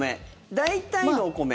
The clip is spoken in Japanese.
大体のお米？